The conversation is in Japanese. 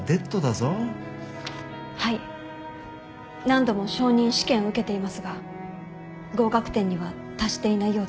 何度も昇任試験を受けていますが合格点には達していないようです。